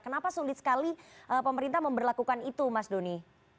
kenapa sulit sekali pemerintah memperlakukan itu mas doni